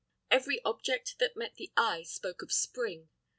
Every object that met the eye spoke of spring.